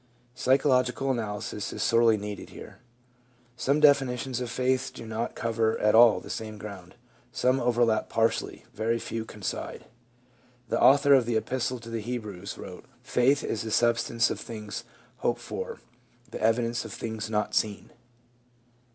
Psychological analysis is sorely needed here. Some definitions of faith do not cover at all the same ground, some overlap partially, very few coincide. The author of the Epistle to the Hebrews wrote: "Faith is the substance of things hoped for, the evidence of things not seen."